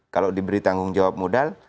kalau diberi tanggung jawab modal